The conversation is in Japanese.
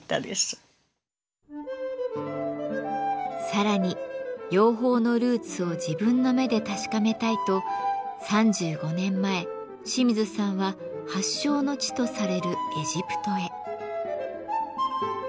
さらに養蜂のルーツを自分の目で確かめたいと３５年前清水さんは発祥の地とされるエジプトへ。